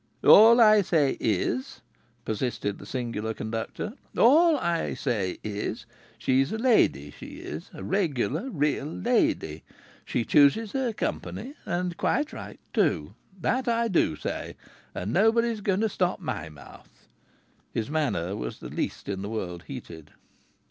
"All I say is," persisted the singular conductor "all I say is she's a lady, she is a regular real lady! She chooses her company and quite right too! That I do say, and nobody's going to stop my mouth." His manner was the least in the world heated.